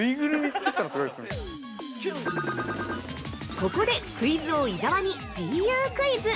◆ここで、クイズ王・伊沢にＧＵクイズ！